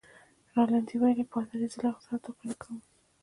رینالډي وویل: پادري؟ زه له هغه سره ټوکې نه کوم.